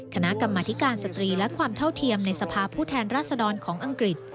คณะกรรมธิการสตรีและความเท่าเทียมในสภาพผู้แทนรัศดรของอังกฤษ